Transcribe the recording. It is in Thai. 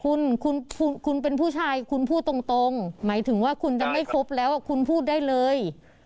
คุณคุณเป็นผู้ชายคุณพูดตรงหมายถึงว่าคุณจะไม่ครบแล้วคุณพูดได้เลย